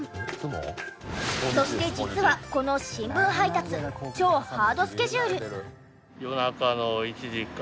そして実はこの新聞配達超ハードスケジュール。